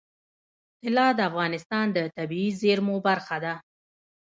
طلا د افغانستان د طبیعي زیرمو برخه ده.